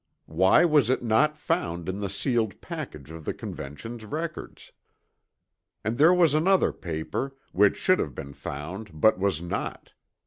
Why was it not found in the sealed package of the Convention's records? And there was another paper, which should have been found but was not.